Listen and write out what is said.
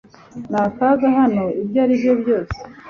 Ni akaga hano ibyo ari byo byose